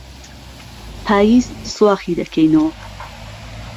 پاییز سواخی دهکهینۆ